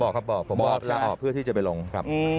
บอกครับบอกผมว่าลาออกเพื่อที่จะไปลงครับ